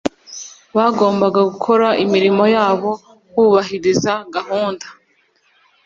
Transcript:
bagomba gukora imirimo yabo bubahiriza Gahunda